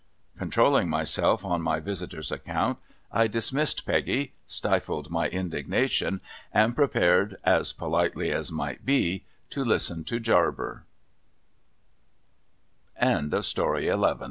Controlling myself on my visitor's account, I dismissed Peggy, stifled my indignation, and prepared, as politely as might be, to liste